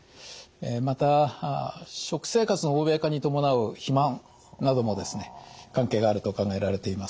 また食生活の欧米化に伴う肥満などもですね関係があると考えられています。